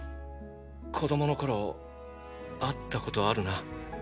子供の頃会ったことあるな？